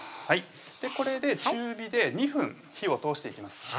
はいこれで中火で２分火を通していきます